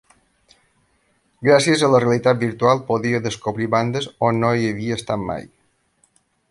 Gràcies a la realitat virtual podia descobrir bandes on no hi havia estat mai.